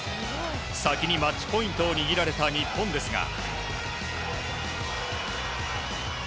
先にマッチポイントを握られた日本ですが。